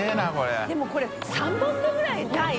井森）でもこれ３本分ぐらいない？